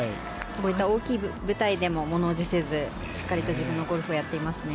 大きい舞台でも物おじせずしっかりと自分のゴルフをやっていますね。